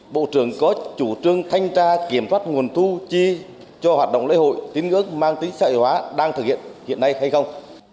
đừng có chủ trương thanh tra kiểm phát nguồn thu chi cho hoạt động lễ hội tín ước mang tính xã hội hóa đang thực hiện hiện nay hay không